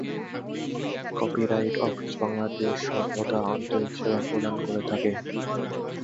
Copyright office Bangladesh সর্বদা আন্তরিক সেবা প্রদান করে থাকে।